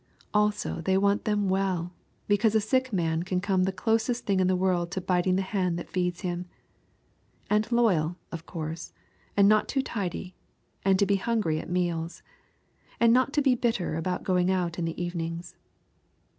Also they want them well, because a sick man can come the closest thing in the world to biting the hand that feeds him. And loyal, of course, and not too tidy and to be hungry at meals. And not to be too bitter about going out in the evenings.